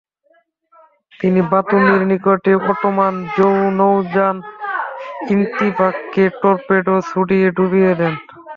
তিনি বাতুমির নিকটে Ottoman নৌযান ইন্তিবাখকে torpedo ছুঁড়ে ডুবিয়ে দেন।